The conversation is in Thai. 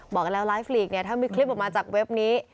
บอกแล้วลายฟรีกถ้ามีคลิปออกมาจากเว็บนี้